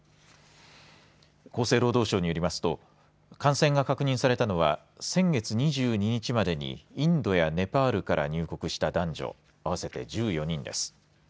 厚生労働省によりますと感染が確認されたのは先月２２日までにインドやネパールから入国した男女合わせて１４人です。